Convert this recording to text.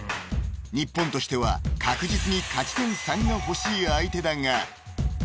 ［日本としては確実に勝ち点３が欲しい相手だが］